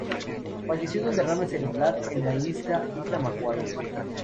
Falleció de un derrame cerebral en la Isla Macquarie.